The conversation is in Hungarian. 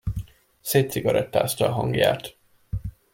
Szétcigarettázta a hangját.